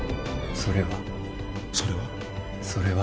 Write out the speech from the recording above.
それはそれはそれは？